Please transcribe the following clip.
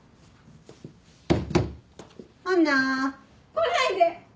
来ないで！